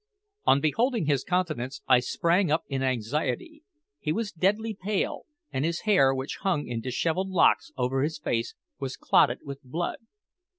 On beholding his countenance I sprang up in anxiety. He was deadly pale, and his hair, which hung in dishevelled locks over his face, was clotted with blood.